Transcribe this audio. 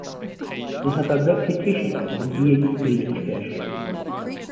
They have a reputation for being greedy fish.